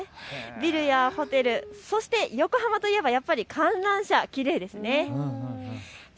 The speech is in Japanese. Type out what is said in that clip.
ビルやホテル、そして横浜といえばやっぱり観覧車きれいですよね。